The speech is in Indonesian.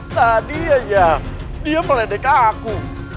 tadi aja dia meledek aku